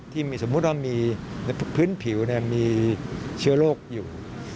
สมมุติว่ามีในพื้นผิวมีเชื้อโรคอยู่